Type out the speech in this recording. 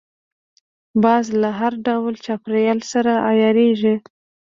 باز له هر ډول چاپېریال سره عیارېږي